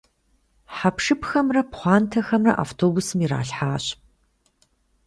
Хьэпшыпхэмрэ пхъуантэхэмрэ автобусым иралъхьащ.